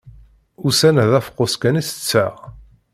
Ussan-a d afeqqus kan i tetteɣ.